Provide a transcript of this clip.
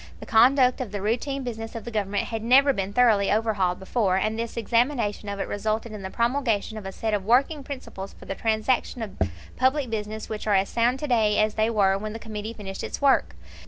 The conduct of the routine business of the Government had never been thoroughly overhauled before, and this examination of it resulted in the promulgation of a set of working principles for the transaction of public business which are as sound to day as they were when the Committee finished its work.